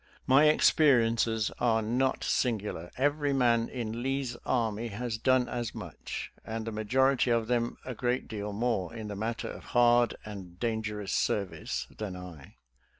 My experiences are not singular; every man in Lee's army has done as much, and the majority of them a great deal more in the matter of hard and dangerous serv ice, than I.